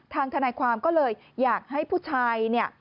ทางธนาความก็เลยอยากให้ผู้ชาย